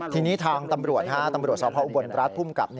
ทีนี้ทางตำรวจ๕ตำรวจศาวร์พระอุบลรัฐภูมิกลับ